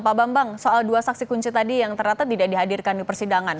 pak bambang soal dua saksi kunci tadi yang ternyata tidak dihadirkan di persidangan